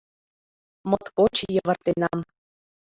Моткоч йывыртенам.